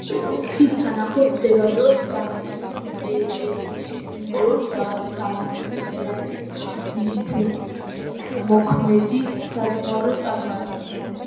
ხიდთან ახლოს მდებარეობს სანქტ-პეტერბურგის ნიკოლოზ საკვირველთმოქმედის საზღვაო ტაძარი.